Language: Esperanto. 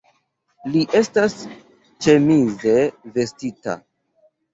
Li estas ĉemize vestita.